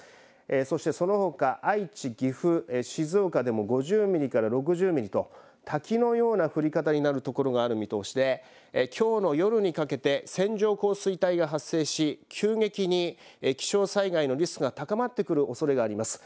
そして、そのほか愛知、岐阜、静岡でも５０ミリから６０ミリと滝のような降り方になるところがある見通しできょうの夜にかけて線状降水帯が発生し急激に気象災害のリスクが高まってくるおそれがあります。